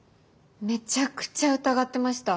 めちゃくちゃ疑ってました。